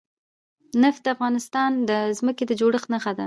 نفت د افغانستان د ځمکې د جوړښت نښه ده.